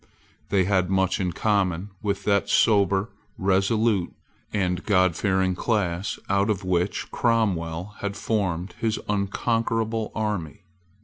They had much in common with that sober, resolute, and Godfearing class out of which Cromwell had formed his unconquerable army.